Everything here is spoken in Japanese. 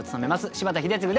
柴田英嗣です。